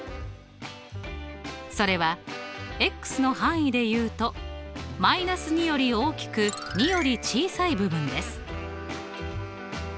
それはの範囲で言うと−２より大きく２より小さい部分です。